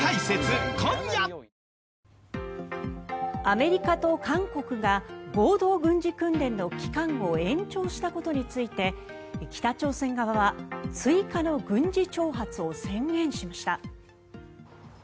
アメリカと韓国が合同軍事訓練の期間を延長したことについて北朝鮮側は追加の軍事挑発を宣言しました。